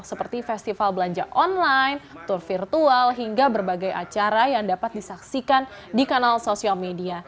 seperti festival belanja online tour virtual hingga berbagai acara yang dapat disaksikan di kanal sosial media